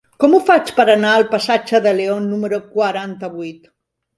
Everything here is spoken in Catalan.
Com ho faig per anar al passatge de León número quaranta-vuit?